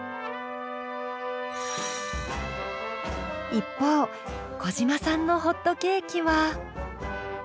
一方小嶋さんのホットケーキは。